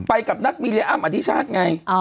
ไปกับนักมีเรอ้ำอธิชาติไง